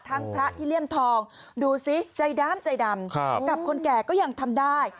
พระที่เลี่ยมทองดูสิใจดำใจดำกับคนแก่ก็ยังทำได้